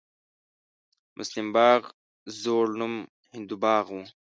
مسلم باغ زوړ نوم هندو باغ و